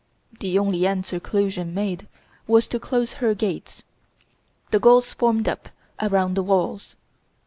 The only answer Clusium made was to close her gates. The Gauls formed up around the walls.